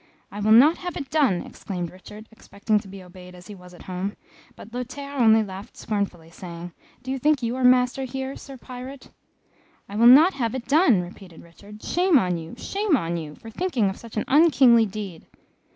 "I will not have it done!" exclaimed Richard, expecting to be obeyed as he was at home; but Lothaire only laughed scornfully, saying, "Do you think you are master here, Sir pirate?" "I will not have it done!" repeated Richard. "Shame on you, shame on you, for thinking of such an unkingly deed."